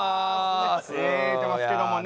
言うてますけどもね。